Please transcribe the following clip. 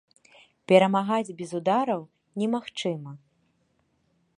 Перамагаць без удараў немагчыма.